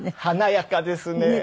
華やかですね。